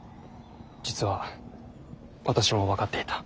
実は私も分かっていた。